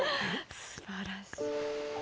すばらしい。